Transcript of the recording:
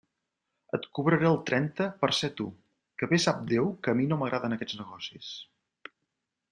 Et cobraré el trenta per ser tu..., que bé sap Déu que a mi no m'agraden aquests negocis.